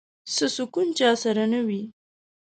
څه سکون چا سره نه وي